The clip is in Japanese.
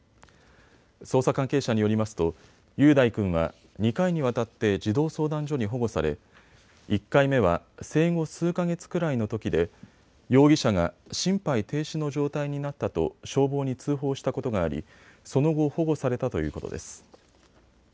捜査関係者によりますと雄大君は２回にわたって児童相談所に保護され１回目は生後数か月くらいのときで容疑者が心肺停止の状態になったと消防に通報したことがありその後保護されたということです。